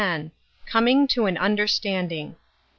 COMING TO AN UNDERSTANDING.